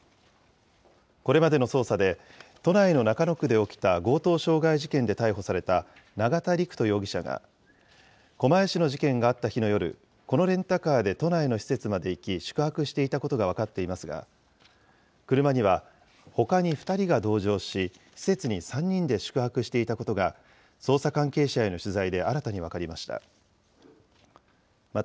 これまでの捜査で、都内の中野区で起きた強盗傷害事件で逮捕された永田陸人容疑者が、狛江市の事件があった日の夜、このレンタカーで都内の施設まで行き宿泊していたことが分かっていますが、車には、ほかに２人が同乗し、施設に３人で宿泊していたことが、捜査関係者への取材で新たに分かりました。